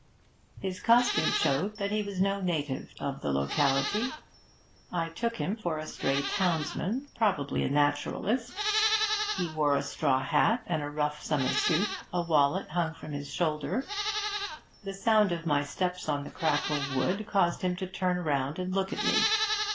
His costume showed that he was no native of the locality; I took him for a stray townsman, probably a naturalist. He wore a straw hat and a rough summer suit; a wallet hung from his shoulder. The sound of my steps on crackling wood caused him to turn and look at me.